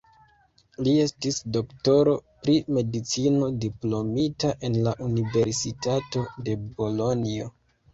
Li estis doktoro pri medicino diplomita en la Universitato de Bolonjo.